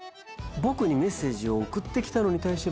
ボクにメッセージを送ってきたのに対して。